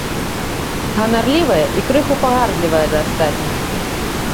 Ганарлівая і крыху пагардлівая да астатніх.